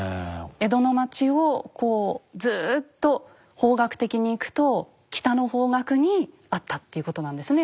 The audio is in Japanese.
江戸の町をこうずっと方角的に行くと北の方角にあったっていうことなんですね